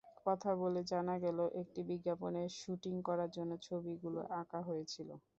কথা বলে জানা গেল, একটি বিজ্ঞাপনের শুটিং করার জন্য ছবিগুলো আঁকা হয়েছিল।